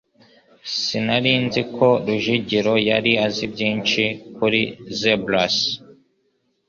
Sinari nzi ko Rujugiro yari azi byinshi kuri zebrasi.